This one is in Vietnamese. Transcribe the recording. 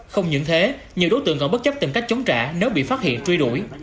không những thế nhiều đối tượng còn bất chấp tìm cách chống trả nếu bị phát hiện truy đuổi